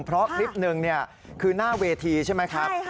เพราะคลิปหนึ่งคือหน้าเวทีใช่ไหมครับ